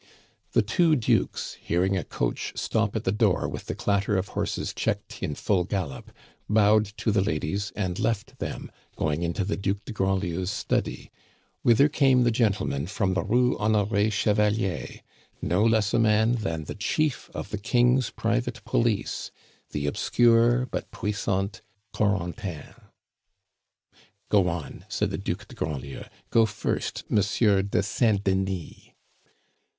The two Dukes, hearing a coach stop at the door with the clatter of horses checked in full gallop, bowed to the ladies and left them, going into the Duc de Grandlieu's study, whither came the gentleman from the Rue Honore Chevalier no less a man than the chief of the King's private police, the obscure but puissant Corentin. "Go on," said the Duc de Grandlieu; "go first, Monsieur de Saint Denis."